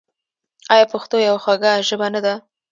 آیا پښتو یوه خوږه ژبه نه ده؟